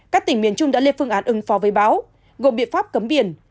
các tỉnh miền trung đã lên phương án ứng phò với báo gồm biện pháp cấm biển